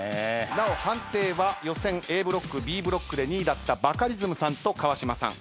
なお判定は予選ＡブロックＢブロックで２位だったバカリズムさんと川島さん